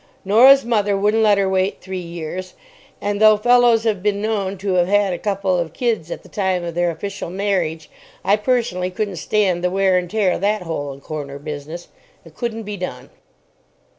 Norah's mother wouldn't let her wait three years, and though fellows have been known to have had a couple of kids at the time of their official marriage, I personally couldn't stand the wear and tear of that hole and corner business. It couldn't be done.